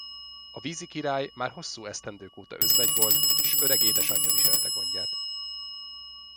A vízikirály már hosszú esztendők óta özvegy volt, s öreg édesanyja viselte gondját.